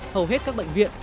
hầu hết các bệnh viện